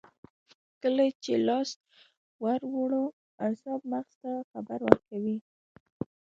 کله چې لاس ور وړو اعصاب مغز ته خبر ورکوي